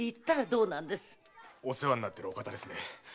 お世話になってるお方ですね？